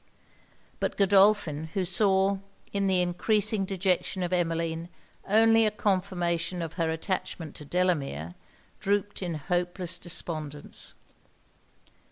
But Godolphin, who saw, in the encreasing dejection of Emmeline, only a confirmation of her attachment to Delamere, drooped in hopeless despondence.